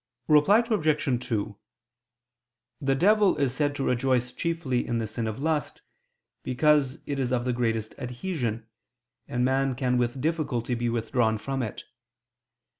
Reply Obj. 2: The devil is said to rejoice chiefly in the sin of lust, because it is of the greatest adhesion, and man can with difficulty be withdrawn from it.